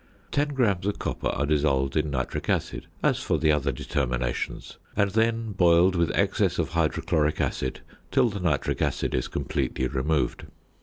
Ten grams of copper are dissolved in nitric acid, as for the other determinations, and then boiled with excess of hydrochloric acid till the nitric acid is completely removed.